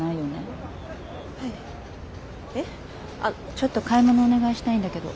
ちょっと買い物をお願いしたいんだけど。